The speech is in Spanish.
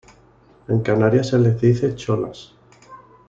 En Canarias se les dice "cholas".